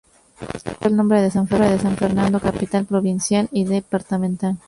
Recibió el nombre de San Fernando, capital provincial y departamental.